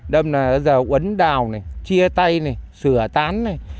đâm là giờ uấn đào này chia tay này sửa tán này